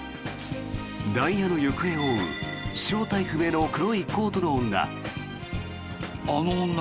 ダイヤの行方を追う正体不明の黒いコートの女。